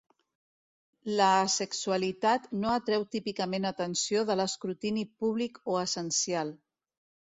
L'asexualitat no atreu típicament atenció de l'escrutini públic o essencial.